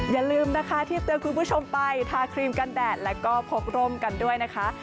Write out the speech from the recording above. อย่าลืมนะคะที่เตือนคุณผู้ชมไปทาครีมกันแดดแล้วก็พกร่มกันด้วยนะคะ